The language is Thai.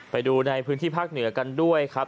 ไปดูในพื้นที่ภาคเหนือกันด้วยครับ